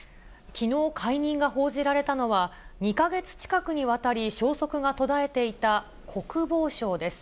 きのう解任が報じられたのは、２か月近くにわたり消息が途絶えていた国防相です。